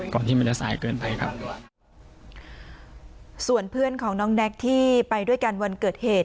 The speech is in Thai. ที่มันจะสายเกินไปครับส่วนเพื่อนของน้องแน็กที่ไปด้วยกันวันเกิดเหตุ